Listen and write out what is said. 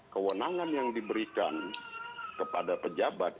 kewenangan yang diberikan kepada pejabat